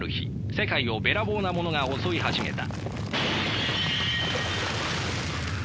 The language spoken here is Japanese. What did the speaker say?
世界をべらぼうなものが襲い始めた。